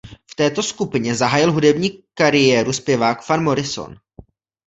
V této skupině zahájil hudební kariéru zpěvák Van Morrison.